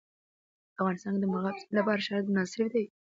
په افغانستان کې د مورغاب سیند لپاره شرایط مناسب دي.